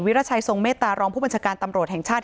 วิทรศัยทรงเมตตารองพบริษักรรมน์ตำรวจหังชาติ